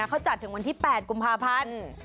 เขาจัดถึงวันที่๘กุมภาพันธ์